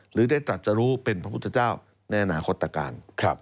หรือได้ตรัสจะรู้เป็นพระพุทธเจ้าในอนาคตการ